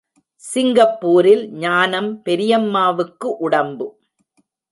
சிங்கப்பூரில் ஞானம் பெரியம்மாவுக்கு உடம்பு.